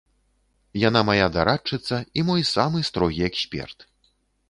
Яна мая дарадчыца і мой самы строгі эксперт.